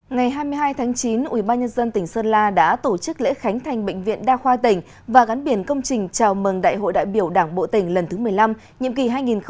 ngày hai mươi hai tháng chín ubnd tỉnh sơn la đã tổ chức lễ khánh thành bệnh viện đa khoa tỉnh và gắn biển công trình chào mừng đại hội đại biểu đảng bộ tỉnh lần thứ một mươi năm nhiệm kỳ hai nghìn hai mươi hai nghìn hai mươi năm